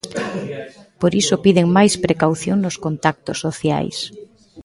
Por iso piden máis precaución nos contactos sociais.